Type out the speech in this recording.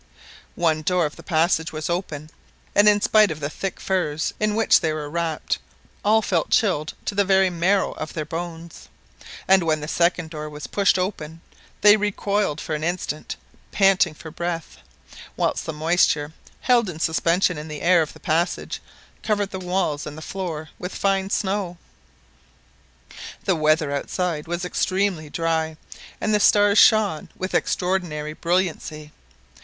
One door of the passage was open, and in spite of the thick furs in which they were wrapped, all felt chilled to the very marrow of their bones; and when the second door was pushed open, they recoiled for an instant, panting for breath, whilst the moisture held in suspension in the air of the passage covered the walls and the floor with fine snow. The weather outside was extremely dry, and the stars shone with extraordinary brilliancy.